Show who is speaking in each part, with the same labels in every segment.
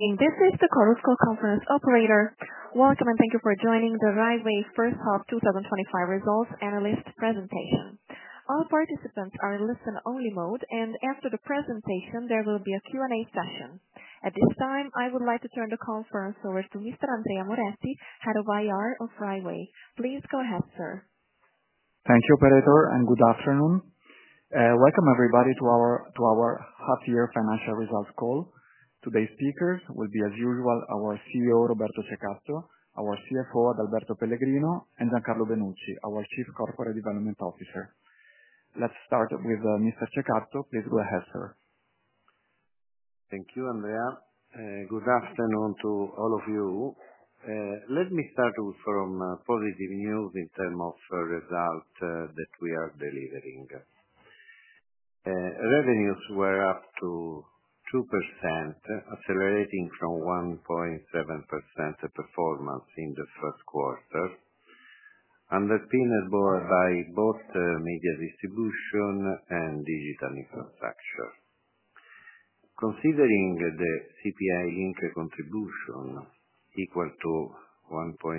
Speaker 1: This is the CONUS call conference operator. Welcome and thank you for joining the Rai Way first hub 2025 results analyst presentation. All participants are listening on your remote, and after the presentation, there will be a Q&A session. At this time, I would like to turn the conference over to Mr. Andrea Moretti, Head of Human Resources of Rai Way. Please go ahead, sir.
Speaker 2: Thank you, operator, and good afternoon. Welcome everybody to our full year financial results call. Today's speakers will be, as usual, our CEO, Roberto Cecatto, our CFO, Adalberto Pellegrino, and Giancarlo Benucci, our Chief Corporate Development Officer. Let's start with Mr. Cecatto, please go ahead, sir.
Speaker 3: Thank you, Andrea. Good afternoon to all of you. Let me start off from positive news in terms of results that we are delivering. Revenues were up to 2%, accelerating from 1.7% performance in the first quarter, underpinned by both media distribution and digital infrastructure. Considering the CPI inter-contribution equal to 1.2%,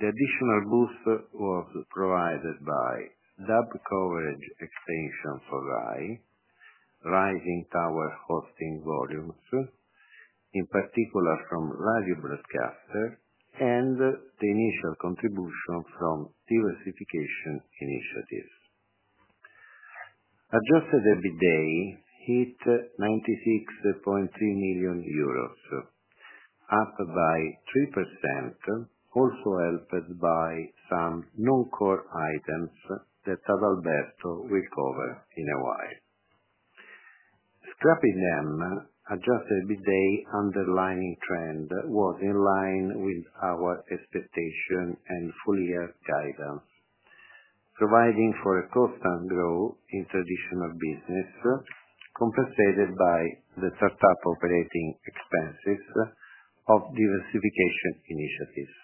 Speaker 3: the additional boost was provided by DAB network coverage extension for Rai, rising tower hosting volumes, in particular from radio broadcasters, and the initial contribution from diversification initiatives. Adjusted EBITDA hit 96.3 million euros, up by 3%, also helped by some non-core items that Adalberto will cover in a while. Scrapping them, adjusted EBITDA underlying trend was in line with our expectation and full-year guidance, providing for a constant growth in traditional business compensated by the top operating expenses of diversification initiatives.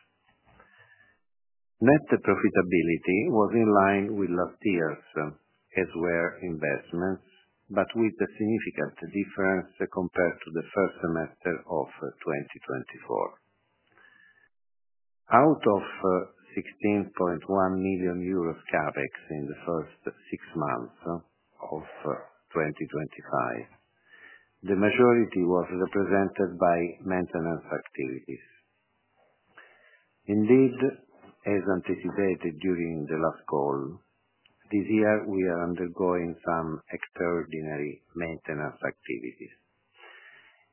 Speaker 3: Net profitability was in line with last year's, as were investments, but with a significant difference compared to the first semester of 2024. Out of 16.1 million euros CAPEX in the first six months of 2025, the majority was represented by maintenance activities. Indeed, as anticipated during the last call, this year we are undergoing some extraordinary maintenance activities.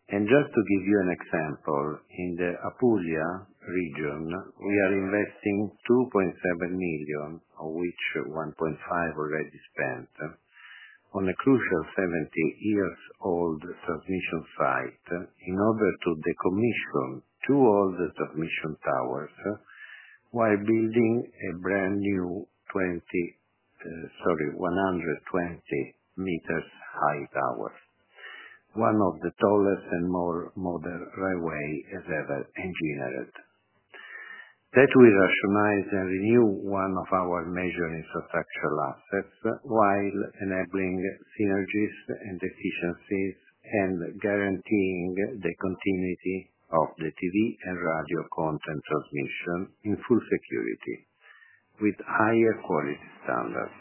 Speaker 3: Just to give you an example, in the Apulia region, we are investing 2.7 million, of which 1.5 million already spent on a crucial 17-year-old transmission site in order to decommission two older transmission towers while building a brand new 120 m high tower, one of the tallest and more modern Rai Way towers ever engineered. That will rationalize and renew one of our major infrastructure lapses, while enabling synergies and efficiencies and guaranteeing the continuity of the TV and radio content transmission in full security with higher quality standards.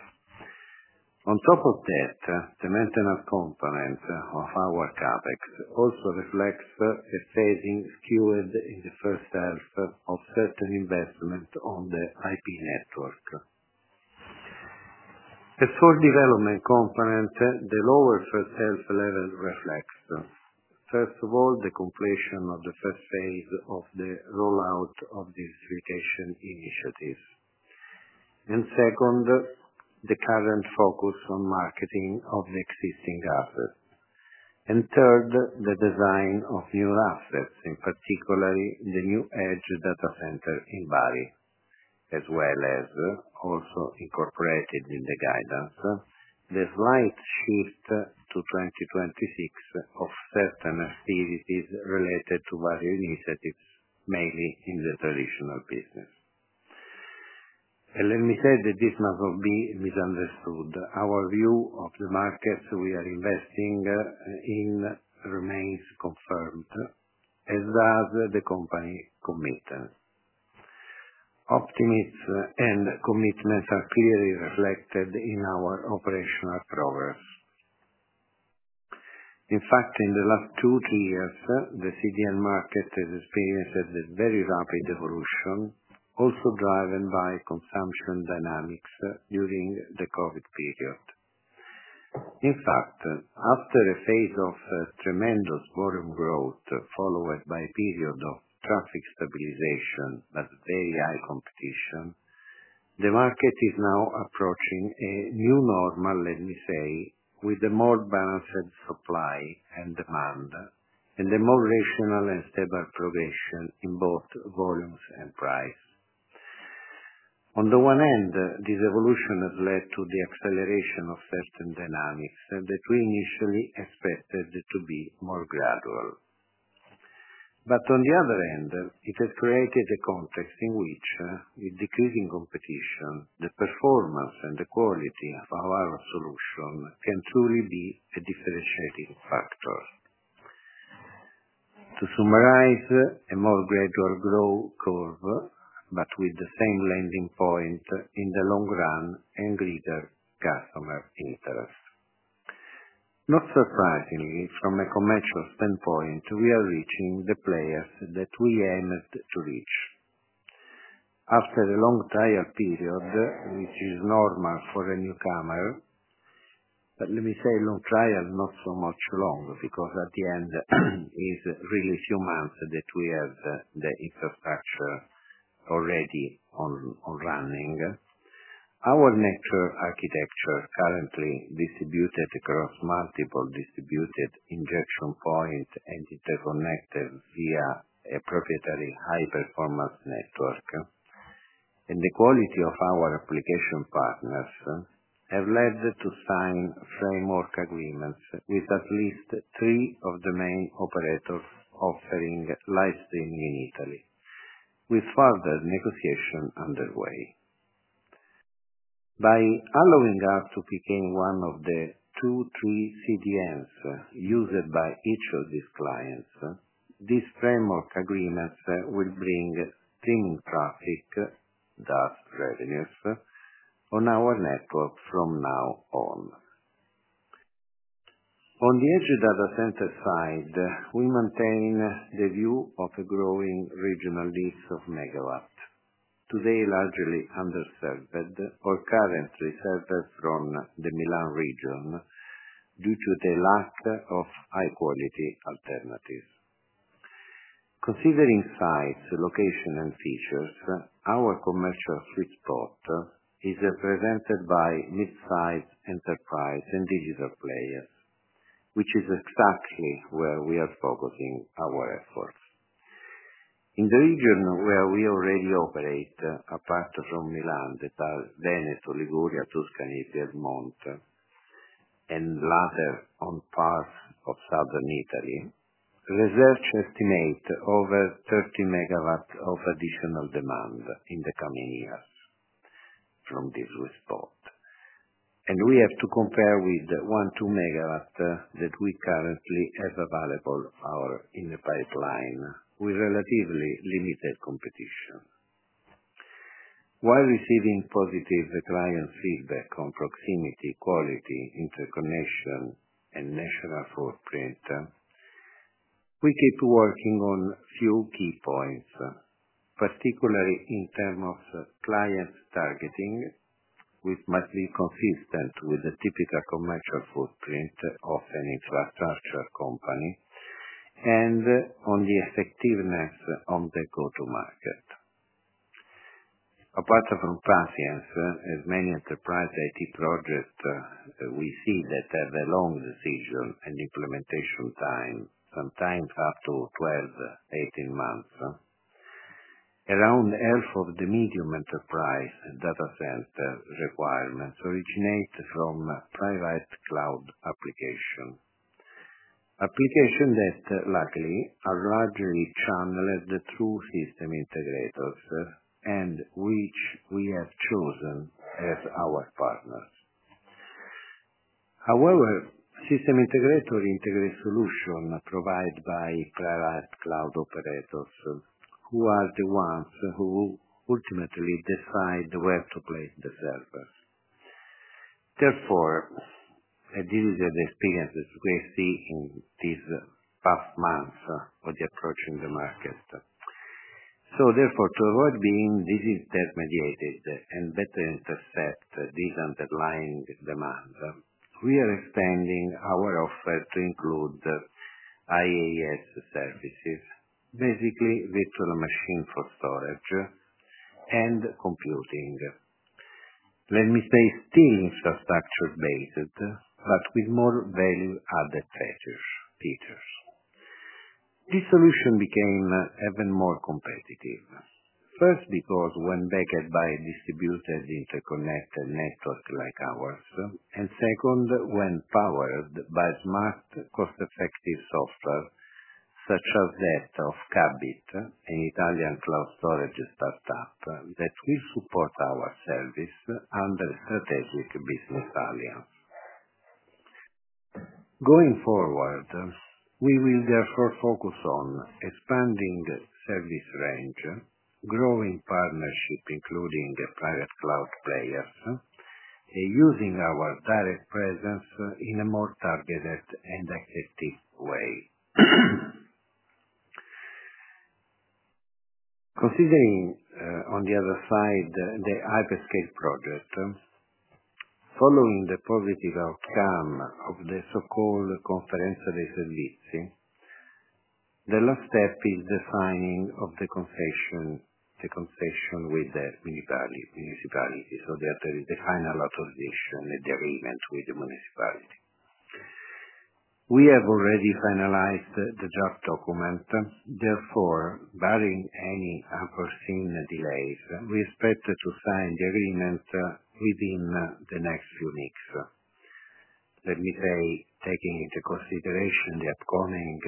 Speaker 3: On top of that, the maintenance components of our CAPEX also reflect a phasing skewed in the first half of certain investments on the IP network. As for the development component, the lower first half level reflects, first of all, the completion of the first phase of the rollout of the certification initiative, second, the current focus on marketing of the existing assets, and third, the design of new assets, in particular the new edge data center in Bari, as well as also incorporated in the guidance, the slight shift to 2026 of certain activities related to Bari initiatives, mainly in the traditional business. Let me say that this must not be misunderstood. Our view of the markets we are investing in remains confirmed, as does the company's commitment. Optimism and commitment are clearly reflected in our operational program. In fact, in the last two years, the CDN market has experienced a very rapid evolution, also driven by consumption dynamics during the COVID period. In fact, after a phase of tremendous volume growth followed by a period of traffic stabilization, but very high competition, the market is now approaching a new normal, let me say, with a more balanced supply and demand and a more rational and stable progression in both volumes and price. On the one end, this evolution has led to the acceleration of certain dynamics that we initially expected to be more gradual. On the other end, it has created a context in which, with decreasing competition, the performance and the quality of our solution can truly be a differentiating factor. To summarize, a more gradual growth curve, but with the same landing point in the long run and greater customer interest. Not surprisingly, from a commercial standpoint, we are reaching the players that we aimed to reach. After a long trial period, which is normal for a newcomer, let me say a long trial, not so much long, because at the end, it is really a few months that we have the infrastructure already on running. Our natural architecture currently distributed across multiple distributed injection points and interconnected via a proprietary high-performance network, and the quality of our application partners have led to sign framework agreements with at least three of the main operators offering live streaming in Italy, with further negotiation underway. By allowing us to pick one of the two to three CDNs used by each of these clients, these framework agreements will bring streaming traffic, thus revenues, on our network from now on. On the edge data center side, we maintain the view of a growing regional list of megawatts, today largely underserved or currently sorted from the Milan region due to the lack of high-quality alternatives. Considering size, location, and features, our commercial foot spot is represented by mid-size enterprise and digital players, which is exactly where we are focusing our efforts. In the region where we already operate, apart from Milan, that are Veneto, Liguria, Tuscany, Piedmont, and later on part of southern Italy, research estimates over 30 megawatts of additional demand in the coming years from this spot. We have to compare with the 1, 2 megawatts that we currently have available in the pipeline with relatively limited competition. While receiving positive client feedback on proximity, quality, information, and national footprint, we keep working on a few key points, particularly in terms of client targeting, which must be consistent with the typical commercial footprint of an infrastructure company, and on the effectiveness of the go-to-market. Apart from patience, as many enterprise IT projects, we see that the long decision and implementation time is sometimes up to 12, 18 months. Around half of the medium enterprise data center requirements originate from private cloud applications, applications that luckily are largely channeled through system integrators and which we have chosen as our partners. However, system integrators integrate solutions provided by private cloud operators who are the ones who ultimately decide where to place the servers. Therefore, a diluted experience is what we see in these past months of the approach in the market. To avoid being disintermediated and better intercept this underlying demand, we are expanding our offer to include IaaS services, basically virtual machines for storage and computing. Let me say, still infrastructure-based, but with more value-added features. This solution became even more competitive, first, because when backed by distributed interconnected networks like ours, and second, when powered by smart, cost-effective software such as that of CABIT, an Italian cloud storage startup that will support our service under a strategic business value. Going forward, we will therefore focus on expanding the service range, growing partnerships, including the private cloud players, and using our direct presence in a more targeted and effective way. Considering on the other side the hyperscale projects, following the positive outcome of the so-called conferential resolution, the last step is the signing of the concession agreement with the municipality, so that there is the final authorization and the agreement with the municipality. We have already finalized the draft document. Barring any unforeseen delays, we expect to sign the agreement within the next few weeks. Taking into consideration the upcoming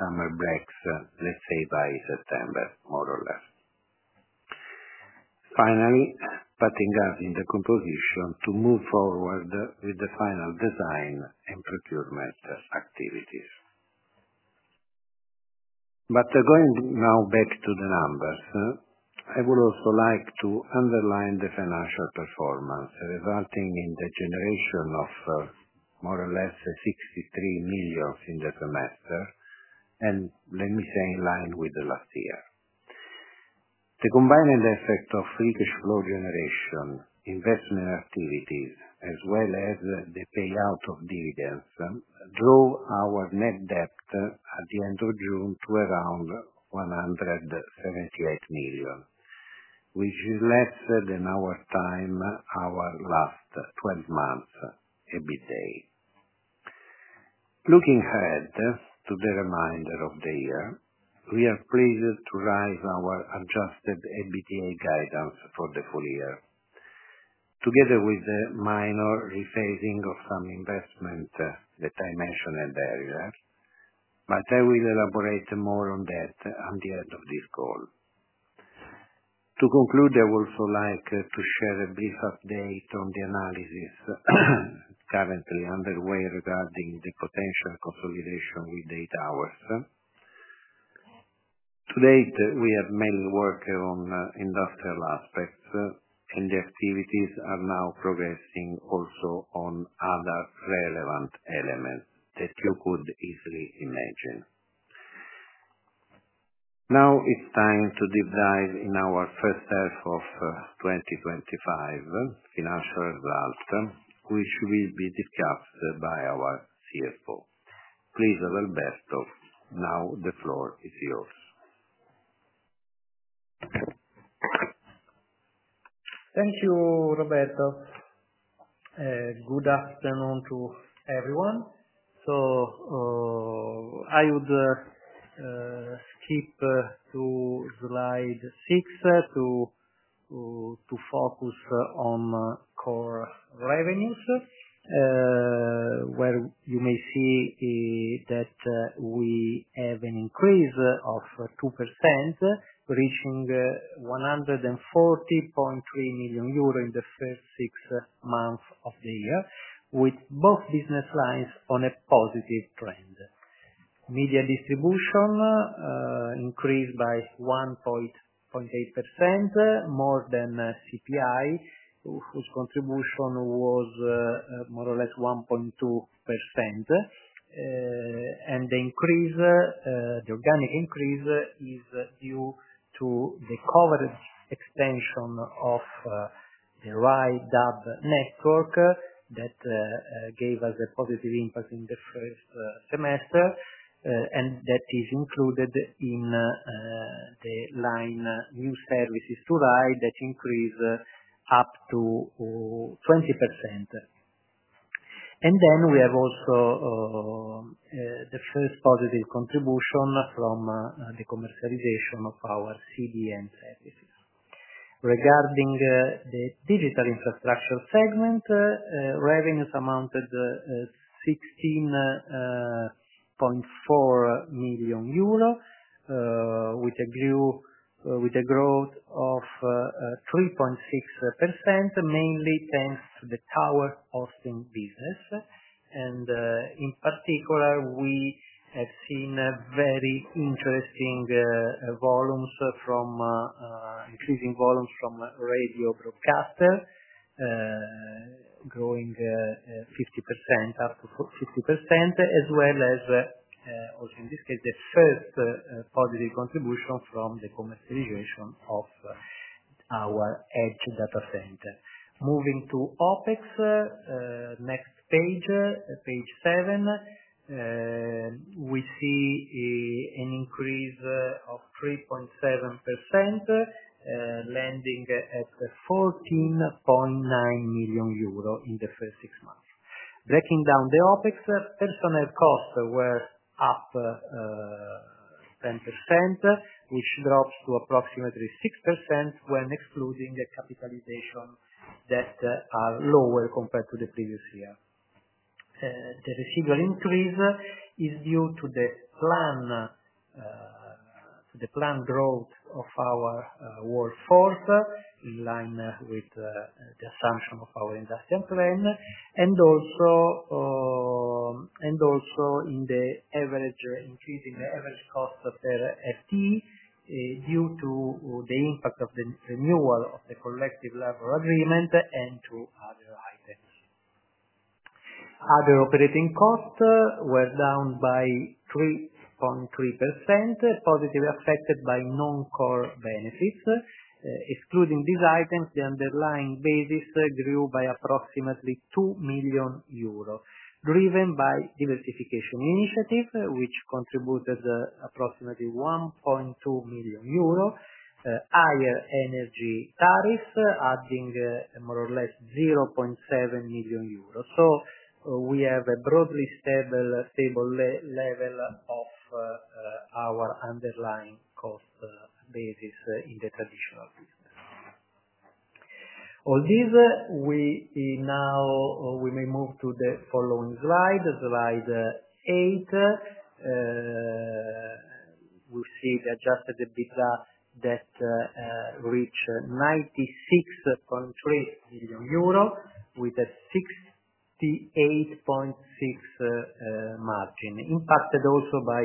Speaker 3: summer breaks, let's say by September, more or less. Finally, putting us in the position to move forward with the final design and procurement activities. Now going back to the numbers, I would also like to underline the financial performance resulting in the generation of more or less 63 million in the semester, and let me say in line with last year. The combined effect of free cash flow generation, investment activities, as well as the payout of dividends, drove our net debt at the end of June to around 178 million, which is less than our last 12 months' EBITDA. Looking ahead to the remainder of the year, we are pleased to raise our adjusted EBITDA guidance for the full year, together with a minor rephasing of some investments that I mentioned earlier, but I will elaborate more on that at the end of this call. To conclude, I would also like to share a brief update on the analysis currently underway regarding the potential consolidation within eight hours. To date, we have mainly worked on industrial aspects, and the activities are now progressing also on other relevant elements that you could easily imagine. Now it's time to deep dive in our first half of 2025 financial results, which will be discussed by our CFO. Please, Adalberto. Now the floor is yours.
Speaker 4: Thank you, Roberto. Good afternoon to everyone. I would skip to slide six to focus on core revenues, where you may see that we have an increase of 2%, reaching 140.3 million euro in the first six months of the year, with both business lines on a positive trend. Media distribution increased by 1.8%, more than CPI, whose contribution was more or less 1.2%. The organic increase is due to the coverage extension of the Rai DAB network that gave us a positive impact in the first semester, and that is included in the line new services to Rai that increased up to 20%. We have also the first positive contribution from the commercialization of our CDN services. Regarding the digital infrastructure segment, revenues amounted to 16.4 million euro, with a growth of 3.6%, mainly thanks to the tower hosting business. In particular, we have seen very interesting volumes from radio broadcasters, growing 50% out of 50%, as well as also in this case, the first positive contribution from the commercialization of our edge data center. Moving to OPEX, next page, page seven, we see an increase of 3.7%, landing at 14.9 million in the first six months. Breaking down the OPEX, personnel costs were up 10%, which drops to approximately 6% when excluding capitalization that are lower compared to the previous year. The residual increase is due to the planned growth of our workforce, in line with the assumption of our industrial plan, and also in the increase in the average cost per FTE, due to the impact of the renewal of the collective level agreement and to other items. Other operating costs were down by 3.3%, positively affected by non-core benefits. Excluding these items, the underlying basis grew by approximately 2 million euro, driven by diversification initiative, which contributed approximately 1.2 million euro, higher energy tariffs, adding more or less 0.7 million euro. We have a broadly stable level of our underlying cost basis in the traditional system. We may move to the following slide, slide eight. We see the adjusted EBITDA that reached 96.3 million euro with a 68.6% margin, impacted also by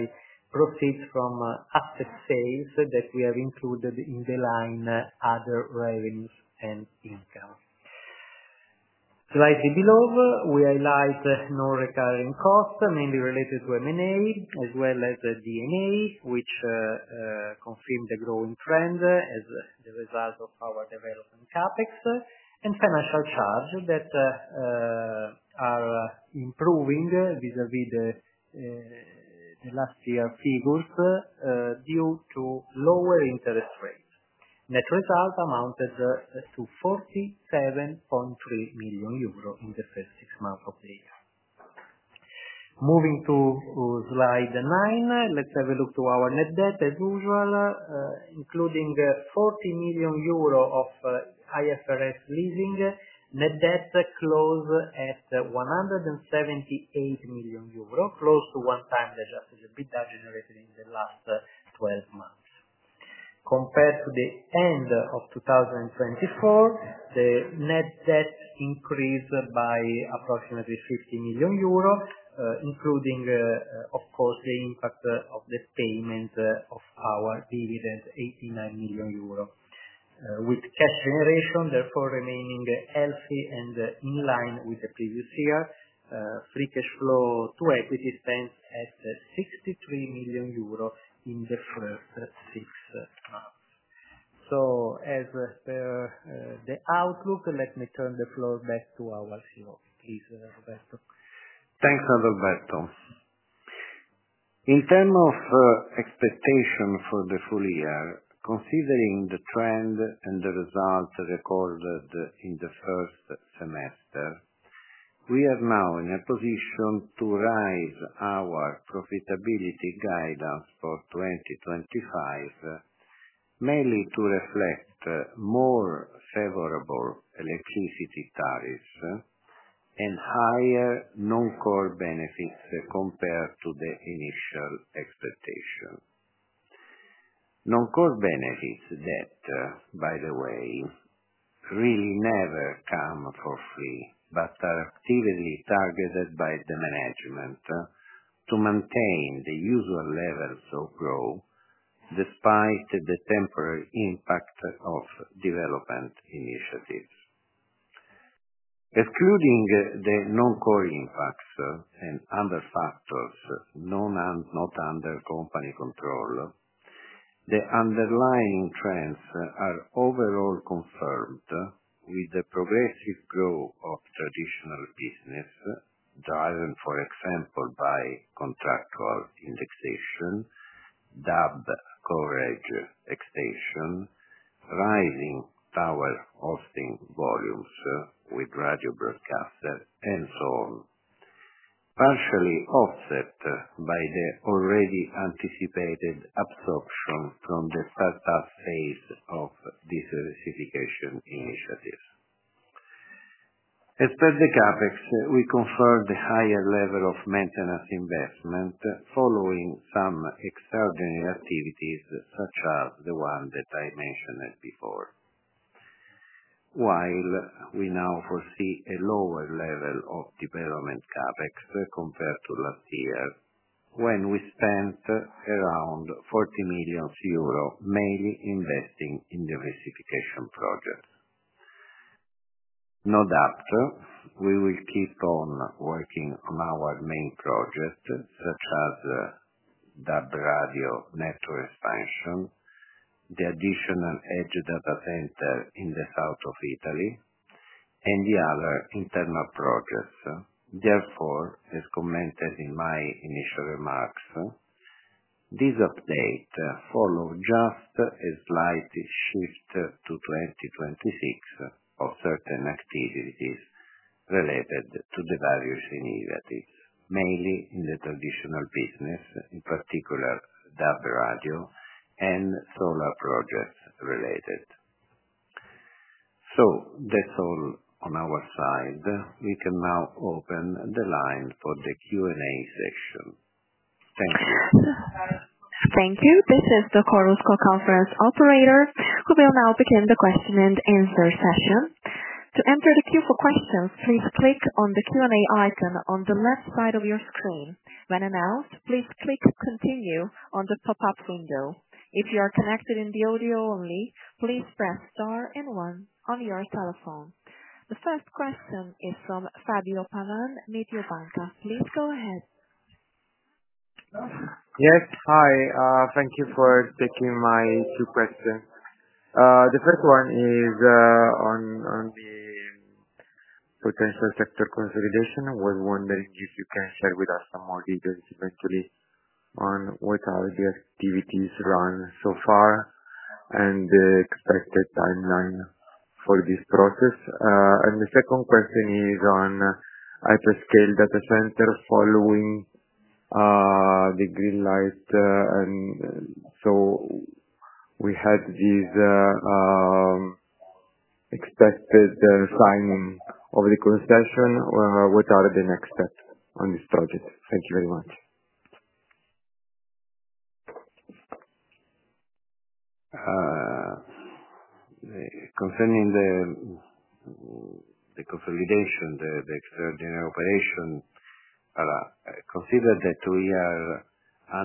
Speaker 4: proceeds from asset sales that we have included in the line other revenues and income. Slightly below, we highlight non-recurring costs, mainly related to M&A, as well as D&A, which consume the growing trend as the result of our development CAPEX and financial charges that are improving vis-à-vis last year's figures due to lower interest rates. Net result amounted to 47.3 million euro in the first six months of the year. Moving to slide nine, let's have a look at our net debt, as usual, including 40 million euro of IFRS leasing. Net debt closed at 178 million euro, close to one-time adjusted EBITDA generated in the last 12 months. Compared to the end of 2023, the net debt increased by approximately 50 million euro, including, of course, the impact of the statement of our dividend, 89 million euro, with cash generation, therefore, remaining healthy and in line with the previous year. Free cash flow to equity stands at 63 million euro in the first six months. As per the outlook, let me turn the floor back to our CEO. Please, Roberto.
Speaker 3: Thank you, Alberto. In terms of expectations for the full year, considering the trend and the results recorded in the first semester, we are now in a position to raise our profitability guidance for 2025, mainly to reflect more favorable electricity tariffs and higher non-core benefits compared to the initial expectation. Non-core benefits that, by the way, really never come for free, but are actively targeted by the management to maintain the usual levels of growth despite the temporary impact of development initiatives. Excluding the non-core impacts and other factors not under company control, the underlying trends are overall confirmed with the progressive growth of traditional business, driven, for example, by contractual indexation, DAB coverage extension, rising tower hosting volumes with radio broadcasters, and so on, partially offset by the already anticipated absorption from the startup phase of diversification initiatives. As per the CAPEX, we confirmed the higher level of maintenance investment following some exceptional activities such as the one that I mentioned before. While we now foresee a lower level of development CAPEX compared to last year, when we spent around 40 million euro, mainly investing in diversification projects. No doubt, we will keep on working on our main projects, such as DAB radio network expansion, the additional edge data center in the south of Italy, and the other internal projects. Therefore, as commented in my initial remarks, this update follows just a slight shift to 2026 of certain activities related to the various initiatives, mainly in the traditional business, in particular DAB radio and solar projects related. That's all on our side. We can now open the line for the Q&A session. Thank you.
Speaker 1: Thank you. This is the CONUS call conference operator. We will now begin the question and answer session. To answer the Q&A questions, please click on the Q&A icon on the left side of your screen. When announced, please click continue on the pop-up window. If you are connected in the audio only, please press star and one on your telephone. The first question is from Fabio Pavan Mediobanca. Please go ahead.
Speaker 5: Yes. Hi. Thank you for taking my two questions. The first one is on the potential sector consolidation. I was wondering if you can share with us some more details, especially on what are the activities run so far and the expected timeline for this process. The second question is on hyperscale data center following the green light, and we had this expected signing of the concession. What are the next steps on this project? Thank you very much.
Speaker 3: Concerning the consolidation, the exceptional operation, consider that we are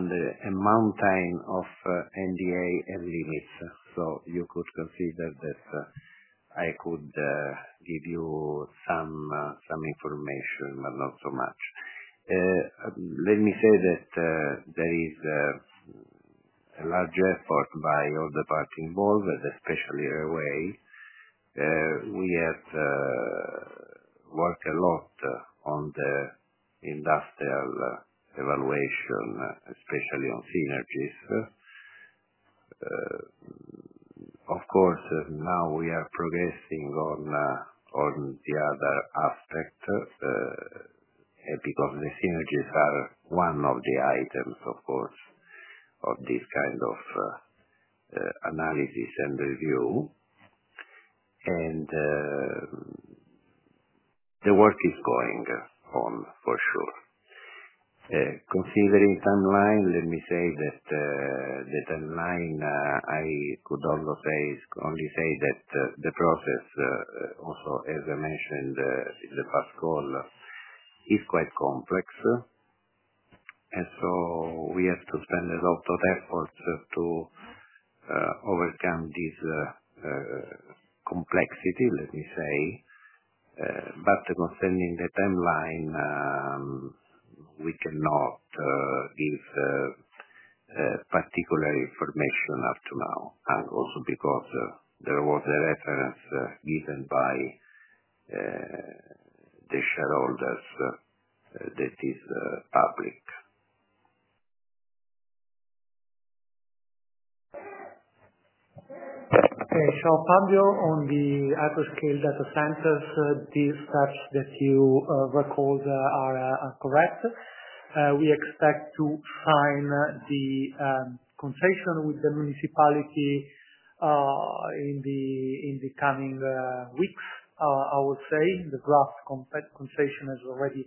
Speaker 3: under a mountain of NDA availability. You could consider this. I could give you some information, but not so much. Let me say that there is a large effort by all the parts involved, especially Rai Way. We have worked a lot on the industrial evaluation, especially on synergies. Of course, now we are progressing on the other aspect because the synergies are one of the items, of course, of this kind of analysis and review. The work is going on for sure. Considering timeline, let me say that the timeline I could allocate only say that the process, also, as I mentioned in the first call, is quite complex. We have to spend a lot of efforts to overcome this complexity, let me say. Concerning the timeline, we cannot give particular information up to now, also because there was a reference given by the shareholders that is public.
Speaker 4: Okay. Fabio, on the hyperscale data centers, these steps that you recall are correct. We expect to sign the concession with the municipality in the coming weeks, I would say. The draft concession has already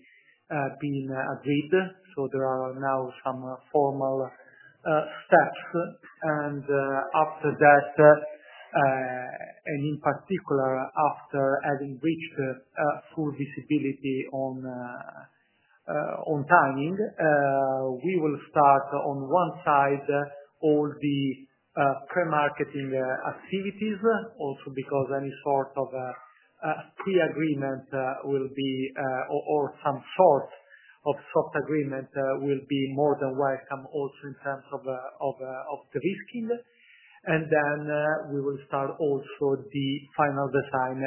Speaker 4: been agreed, so there are now some formal steps. After that, in particular after having reached full visibility on timing, we will start on one side all the pre-marketing activities, also because any sort of fee agreement will be, or some sort of soft agreement will be more than welcome, also in terms of de-risking. We will start also the final design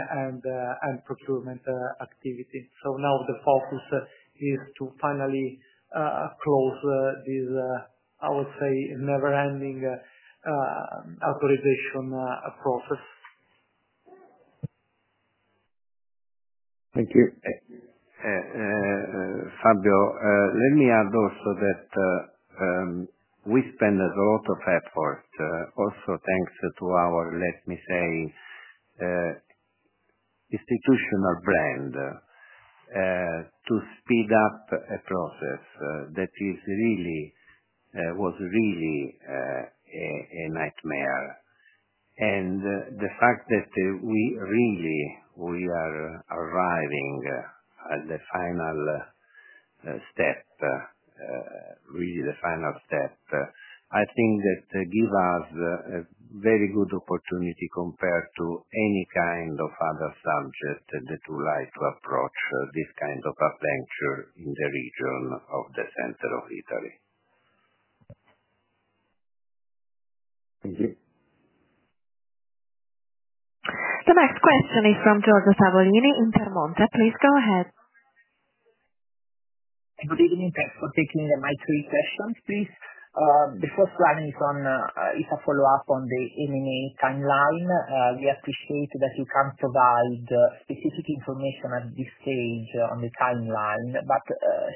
Speaker 4: and procurement activity. The focus is to finally close this, I would say, never-ending authorization process.
Speaker 3: Thank you. Fabio, let me add also that we spend a lot of effort, also thanks to our, let me say, institutional brand, to speed up a process that was really a nightmare. The fact that we really are arriving at the final step, really the final step, I think that gives us a very good opportunity compared to any kind of other subject that would like to approach this kind of adventure in the region of the center of Italy.
Speaker 1: The next question is from Giorgio Savoini in Piemonte. Please go ahead.
Speaker 6: Thank you. Thank you. Let me take my three questions, please. The first one is a follow-up on the NDA timeline. We appreciate that you can't provide specific information at this stage on the timeline, but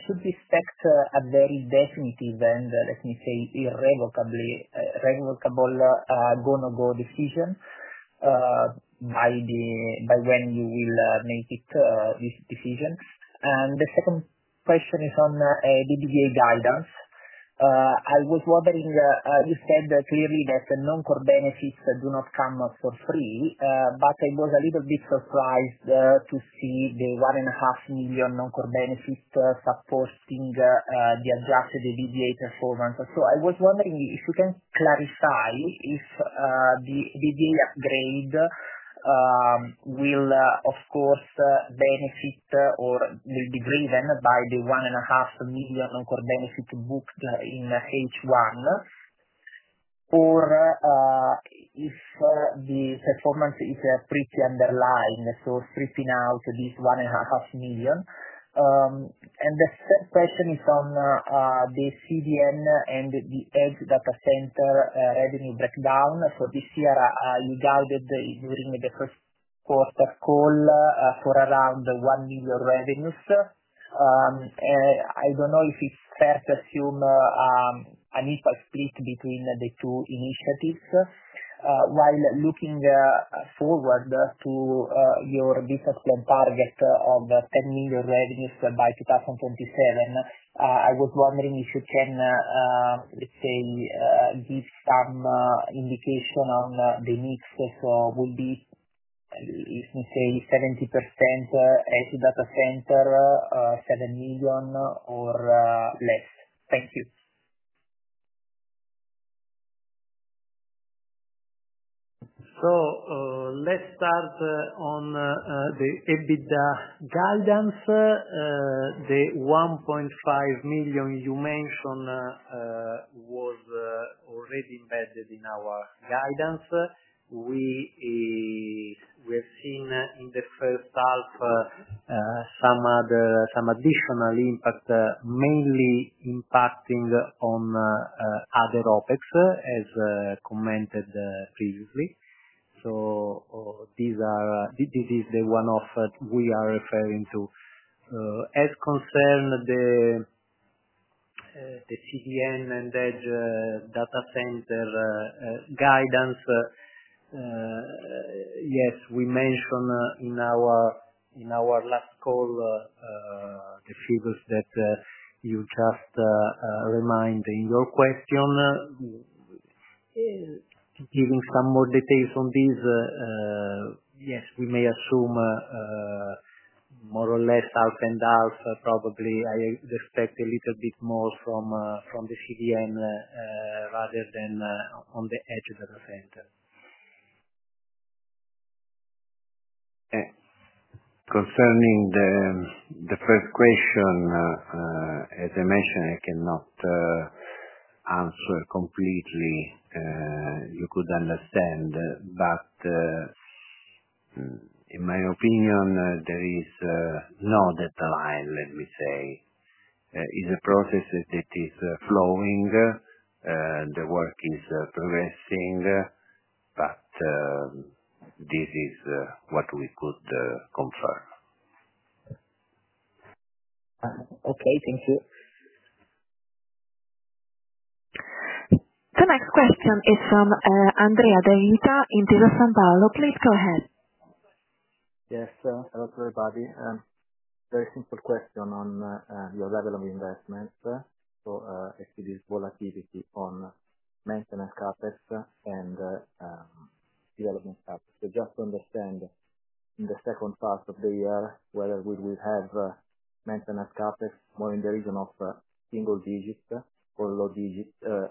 Speaker 6: should these steps be very definitive and, let me say, irrevocable, going to go decision by when you will make this decision. The second question is on the adjusted EBITDA guidance. I was wondering, you said clearly that the non-core benefits do not come for free, but I was a little bit surprised to see the 1.5 million non-core benefits supporting the adjusted EBITDA performance. I was wondering if you can clarify if the adjusted EBITDA upgrade will, of course, benefit or be driven by the 1.5 million non-core benefits booked in H1, or if the performance is pretty underlined, so stripping out this 1.5 million. The third question is on the CDN services and the edge data center revenue breakdown. For this year, you guided during the first quarter call for around 1 million revenues. I don't know if it's fair to assume an equal split between the two initiatives. Looking forward to your business plan target of 10 million revenues by 2027, I was wondering if you can, let's say, give some indication on the mix. Would it be, let me say, 70% edge data center, 7 million, or less. Thank you.
Speaker 4: Let's start on the EBITDA guidance. The 1.5 million you mentioned was already embedded in our guidance. We have seen in the first half some additional impact, mainly impacting on other OpEx, as commented previously. This is the one-off that we are referring to. As concerns the CDN and edge data center guidance, yes, we mentioned in our last call the figures that you just remind in your question. Giving some more details on this, yes, we may assume more or less half and half, probably I expect a little bit more from the CDN rather than on the edge data center.
Speaker 3: Okay. Concerning the first question, as I mentioned, I cannot answer completely. You could understand. In my opinion, there is no deadline, let me say. It's a process that is flowing. The work is progressing, this is what we could confer.
Speaker 6: Okay, thank you.
Speaker 1: The next question is from Andrea Devita in Intesa Sanpaolo. Please go ahead.
Speaker 7: Yes. Hello, everybody. Very simple question on your level of investment. As it is, volatility on maintenance CAPEX and development CAPEX. Just to understand in the second part of the year whether we will have maintenance CAPEX more in the region of single-digit or low-digit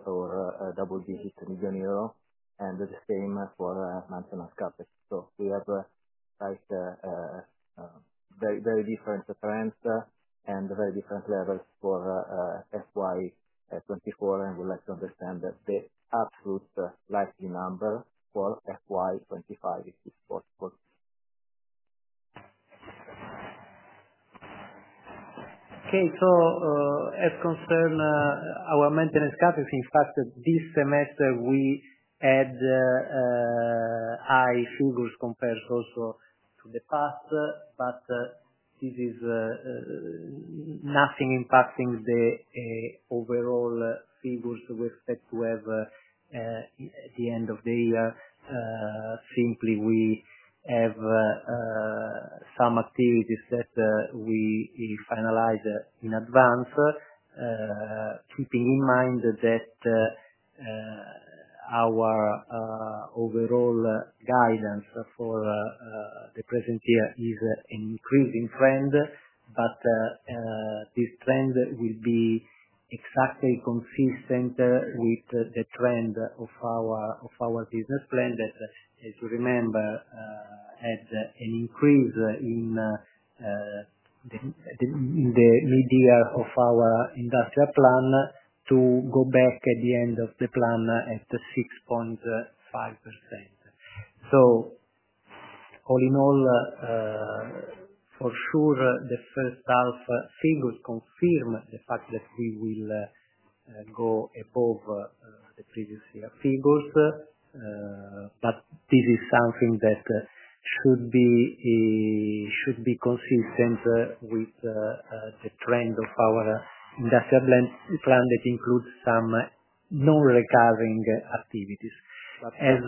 Speaker 7: or double-digit million euros, and the same for maintenance CAPEX. We have very different trends and very different levels for FY2024, and we would like to understand the absolute likely number for FY2025 portfolio.
Speaker 4: Okay. As concerns our maintenance CAPEX, in fact, this semester we had high figures compared also to the past, but this is nothing impacting the overall figures we expect to have at the end of the year. Simply, we have some activities that we finalize in advance, keeping in mind that our overall guidance for the present year is an increasing trend, but this trend will be exactly consistent with the trend of our business plan that, as we remember, has an increase in the mid-year of our industrial plan to go back at the end of the plan at 6.5%. All in all, for sure, the first half figures confirm the fact that we will go above the previous year figures. This is something that should be consistent with the trend of our industrial plan that includes some non-recurring activities. As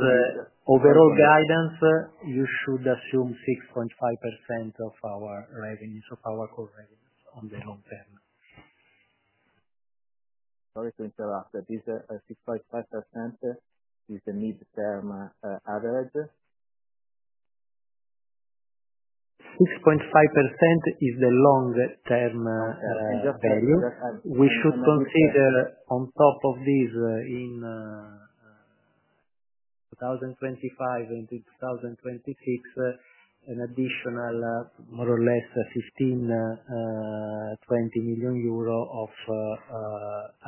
Speaker 4: overall guidance, you should assume 6.5% of our revenues, of our core revenues on the long term.
Speaker 7: Sorry to interrupt. Is this a 6.5% mid-term average?
Speaker 4: 6.5% is the long-term value. We should consider, on top of this, in 2025 and in 2026, an additional, more or less, 15 million euro, 20 million euro of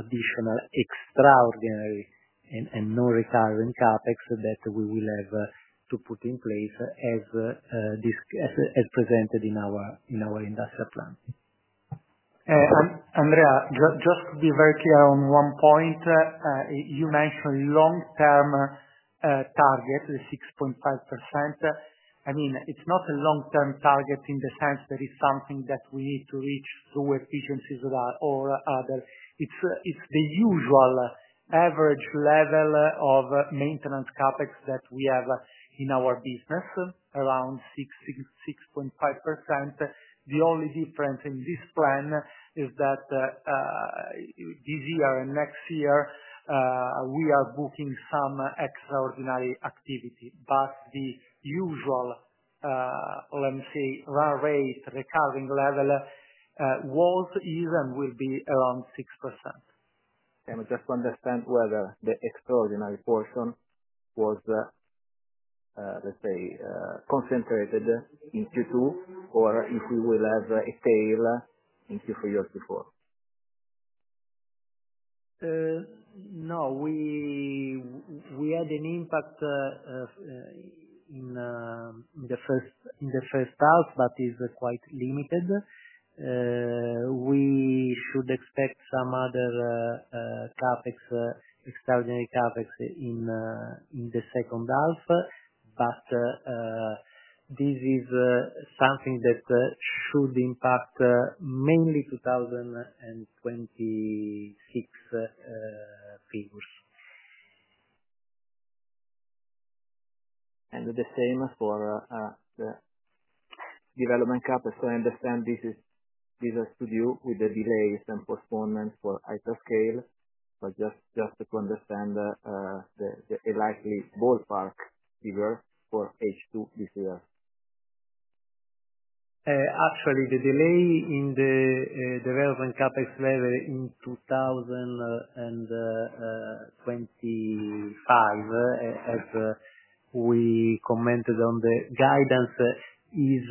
Speaker 4: additional extraordinary and non-recurring CAPEX that we will have to put in place, as this is presented in our industrial plan. Andrea, just to be very clear on one point, you mentioned a long-term target, the 6.5%. I mean, it's not a long-term target in the sense that it's something that we need to reach through efficiencies or others. It's the usual average level of maintenance CAPEX that we have in our business, around 6.5%. The only difference in this plan is that this year and next year, we are booking some extraordinary activity. The usual, let me say, run rate, recurring level was, is, and will be around 6%.
Speaker 7: Just to understand whether the extraordinary portion was, let's say, concentrated in Q2 or if we will have a sale in Q3 or Q4.
Speaker 4: No. We had an impact in the first half, but it's quite limited. We could expect some other CAPEX, extraordinary CAPEX in the second half, but this is something that could impact mainly 2026 figures. The same for development CAPEX. I understand this is a story with the delays and postponements for hyperscale. Just to understand the likely ballpark figure for H2 this year, actually, the delay in the development CAPEX level in 2025, as we commented on the guidance, is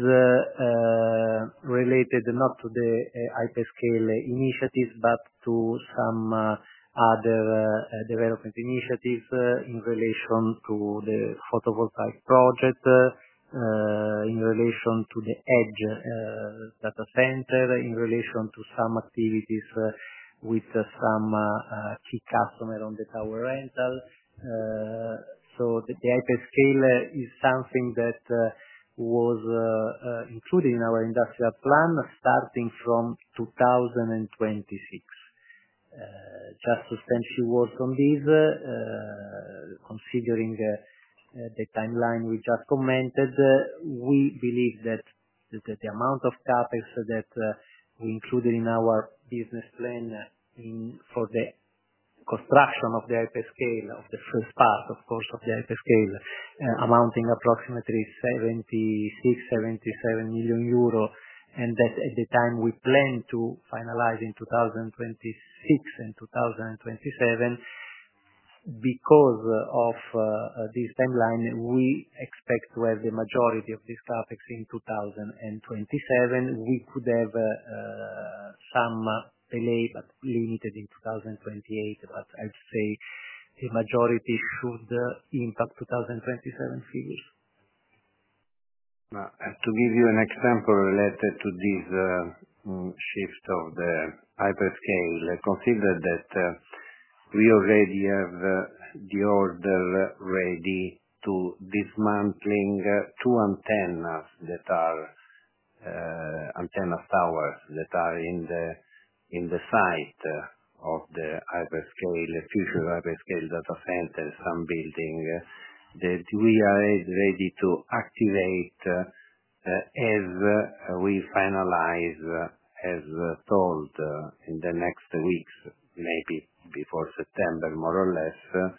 Speaker 4: related not to the hyperscale initiatives, but to some other development initiatives in relation to the photovoltaic project, in relation to the edge data center, in relation to some activities with some key customers on the tower hosting. The hyperscale is something that was included in our industrial plan starting from 2026. Just essentially work on this. Considering the timeline we just commented, we believe that the amount of CAPEX that we included in our business plan for the construction of the hyperscale, of the first part, of course, of the hyperscale, amounting approximately 76 million euro, EUR 77 million, and that at the time we plan to finalize in 2026 and 2027, because of this timeline, we expect to have the majority of this CAPEX in 2027. We could have some NA but limited in 2028, but I'd say the majority should impact 2027 figures.
Speaker 3: To give you an example related to this shift of the hyperscale, consider that we already have the order ready to dismantle two antennas that are towers that are in the site of the hyperscale data center, some building, that we are ready to activate as we finalize, as told in the next weeks, maybe before September, more or less,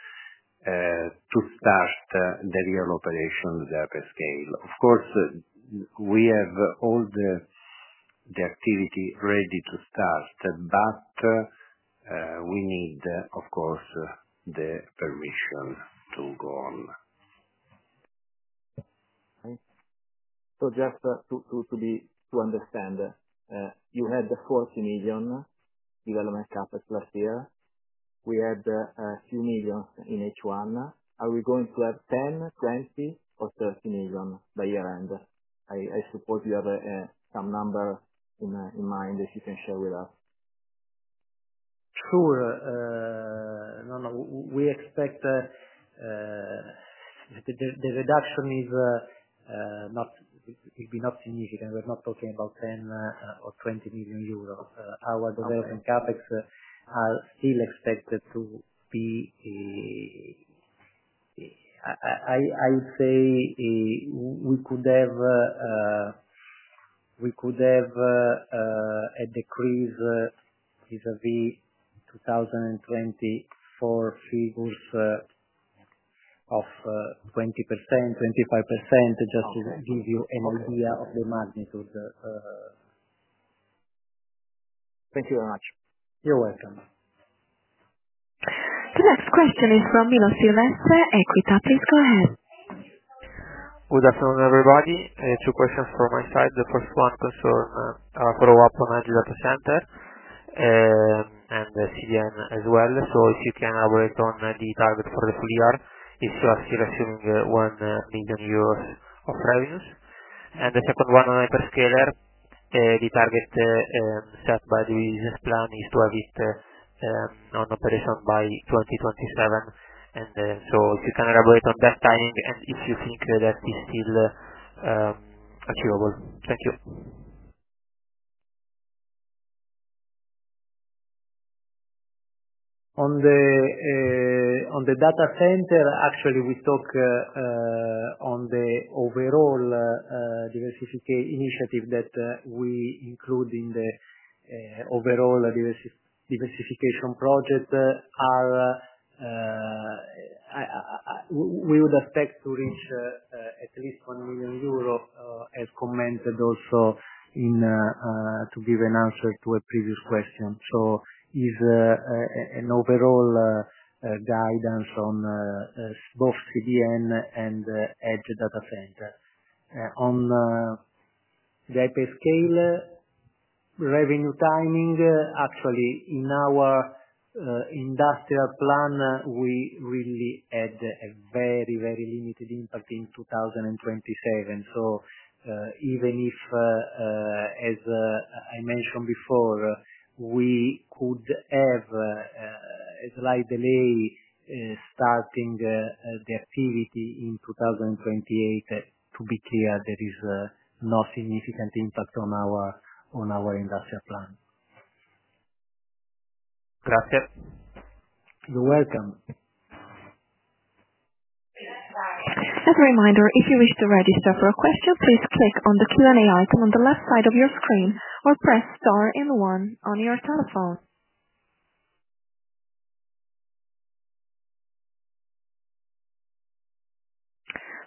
Speaker 3: to start the real operations of the hyperscale. Of course, we have all the activity ready to start, but we need, of course, the permission to go on.
Speaker 7: Just to understand, you had 40 million development CAPEX last year. We had a few million in H1. Are we going to have 10, 20, or 30 million by year-end? I suppose you have some number in mind, if you can share with us. Sure. No, no. We expect the reduction is not significant. We're not talking about 10 or 20 million euros. Our development CAPEX are still expected to be, I would say, we could have a decrease vis-à-vis 2024 figures of 20%, 25%, just to give you an idea of the magnitude. Thank you very much.
Speaker 3: You're welcome.
Speaker 1: The next question is from Vino Silvestre, Etiqueta.
Speaker 8: Good afternoon, everybody. Two questions from my side. The first one concerns a follow-up on edge data center and CDN as well. If you can elaborate on the target for the full year, it's still assuming 1 million euros of revenues. The second one, on hyperscale, the target step by the business plan is to have it in operation by 2027. If you can elaborate on that timing and if you think that it's still achievable. Thank you.
Speaker 4: On the data center, actually, we talk on the overall diversification initiative that we include in the overall diversification project. We would expect to reach at least 1 million euro, as commented also to give an answer to a previous question. It's an overall guidance on both CDN services and edge data centers. On the hyperscale revenue timing, actually, in our industrial plan, we really had a very, very limited impact in 2027. Even if, as I mentioned before, we could have a slight delay starting the activity in 2028, to be clear, there is no significant impact on our industrial plan.
Speaker 8: Good afternoon.
Speaker 4: You're welcome.
Speaker 1: As a reminder, if you wish to register for a question, please tap on the Q&A icon on the left side of your screen or press star and one on your telephone.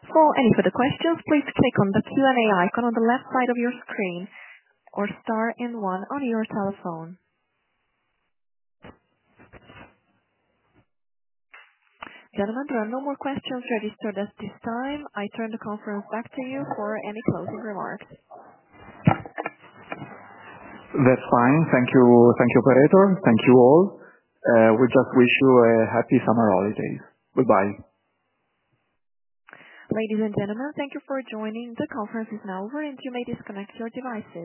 Speaker 1: For any further questions, please click on the Q&A icon on the left side of your screen or star and one on your telephone. Gentlemen, there are no more questions registered at this time. I turn the conference back to you for any closing remarks.
Speaker 4: That's fine. Thank you. Thank you, operator. Thank you all. We just wish you a happy summer holidays. Goodbye.
Speaker 1: Ladies and gentlemen, thank you for joining. The conference is now over, and you may disconnect your devices.